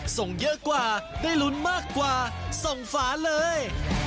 ส่งเยอะกว่าได้ลุ้นมากกว่าส่งฝาเลย